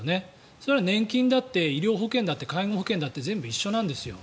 それは年金だって医療保険だって介護保険だって全部一緒なんですよ。